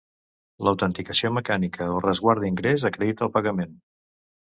L'autenticació mecànica o resguard d'ingrés acredita el pagament.